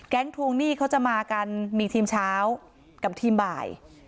ทวงหนี้เขาจะมากันมีทีมเช้ากับทีมบ่าย